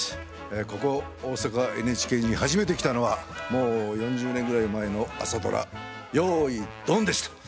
ここ大阪ＮＨＫに初めて来たのはもう４０年ぐらい前の朝ドラ「よーいドン」でした。